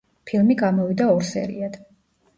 ფილმი გამოვიდა ორ სერიად.